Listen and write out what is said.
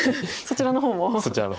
そちらの方も。